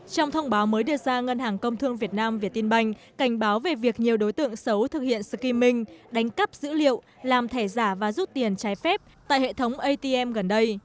trong thông báo mới đưa ra ngân hàng công thương việt nam việt tinh banh cảnh báo về việc nhiều đối tượng xấu thực hiện skimming đánh cắp dữ liệu làm thẻ giả và rút tiền trái phép tại hệ thống atm gần đây